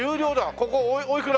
ここおいくら？